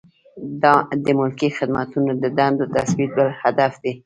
د ملکي خدمتونو د دندو تثبیت بل هدف دی.